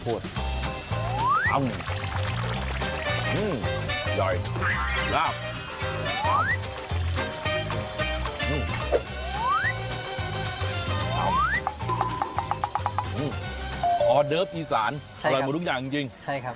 ออเดิฟอีสานอร่อยหมดทุกอย่างจริง